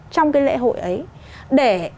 trong cái lễ hội ấy để